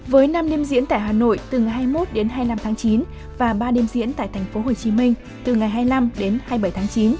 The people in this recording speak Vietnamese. với năm đêm diễn tại hà nội từ ngày hai mươi một đến hai mươi năm tháng chín và ba đêm diễn tại tp hcm từ ngày hai mươi năm đến hai mươi bảy tháng chín